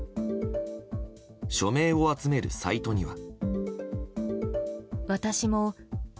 署名を集めるサイトには。